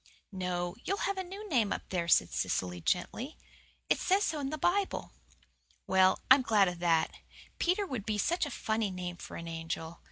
"No. You'll have a new name up there," said Cecily gently. "It says so in the Bible." "Well, I'm glad of that. Peter would be such a funny name for an angel.